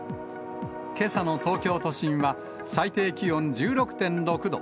けさの東京都心は、最低気温１６．６度。